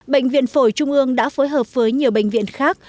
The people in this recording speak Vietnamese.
bệnh viện phổi trung ương đã phối hợp với nhiều bệnh viện khác